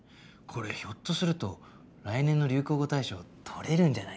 これひょっとすると来年の流行語大賞とれるんじゃないですか？